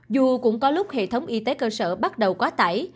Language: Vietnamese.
dù cũng có lúc hệ thống y tế cơ sở bắt đầu quá tải